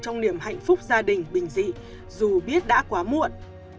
trong niềm hạnh phúc gia đình bình dị dù biết đã quá muộn